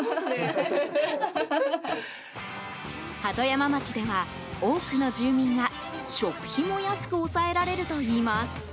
鳩山町では、多くの住民が食費も安く抑えられるといいます。